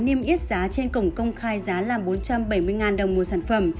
nêm ít giá trên cổng công khai giá là bốn trăm bảy mươi đồng một sản phẩm